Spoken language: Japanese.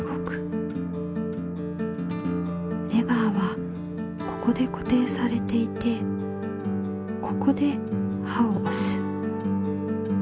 レバーはここでこていされていてここで刃をおす。